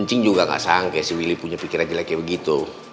cing juga gak sangka si willy punya pikiran jelek kayak begitu